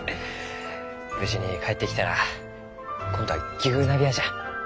無事に帰ってきたら今度は牛鍋屋じゃ。